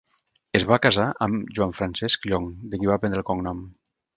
Es va casar amb Joan Francesc Llong, de qui va prendre el cognom.